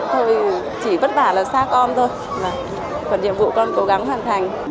thôi chỉ vất vả là xa con thôi còn nhiệm vụ con cố gắng hoàn thành